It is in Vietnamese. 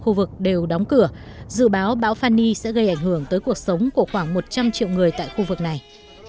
khu vực đều đóng cửa dự báo bão fani sẽ gây ảnh hưởng tới cuộc sống của khoảng một trăm linh triệu người tại khu vực này